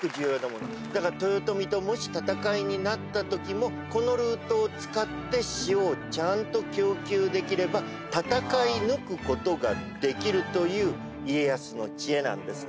だから豊臣ともし戦いになったときもこのルートを使って塩をちゃんと供給できれば戦い抜くことができるという家康の知恵なんですね。